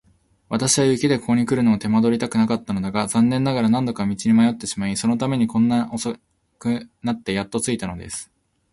私は雪でここにくるのを手間取りたくなかったのだが、残念ながら何度か道に迷ってしまい、そのためにこんなに遅くなってやっと着いたのです。